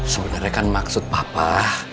sebenarnya kan maksud papa